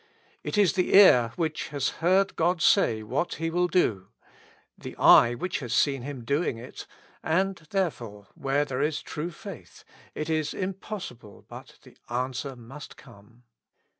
It is the ear which has heard God say what He will do, the eye which has seen Him doing it, and, therefore, where there is true faith, it is im possible but the answer must come.